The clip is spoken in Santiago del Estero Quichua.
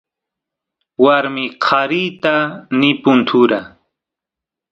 warmi qarita nipun tura